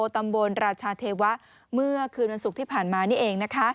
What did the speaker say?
ตราชาเทวะเมื่อคืนวันศุกร์ที่ผ่านมานี่เองนะคะ